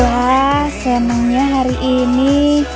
wah senangnya hari ini